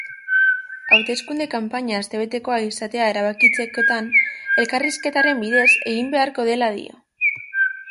Hauteskunde kanpaina astebetekoa izatea erabakitzekotan elkarrizketaren bidez egin beharko dela dio.